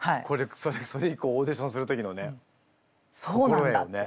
それ以降オーディションする時のね心得をね。